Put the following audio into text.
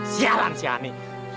sialan si hani